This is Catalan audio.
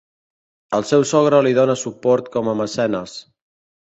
El seu sogre li dóna suport com a mecenes.